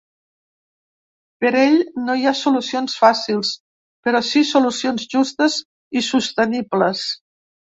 Per ell, ‘no hi ha solucions fàcils’, però sí ‘solucions justes i sostenibles’.